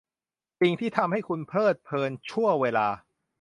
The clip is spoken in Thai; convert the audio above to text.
สิ่งที่ทำให้คุณเพลิดเพลินชั่วเวลา